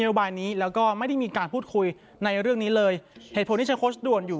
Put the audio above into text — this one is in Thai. โยบายนี้แล้วก็ไม่ได้มีการพูดคุยในเรื่องนี้เลยเหตุผลที่ใช้โค้ชด่วนอยู่